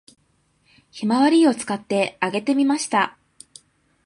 ひまわり油を使って揚げてみました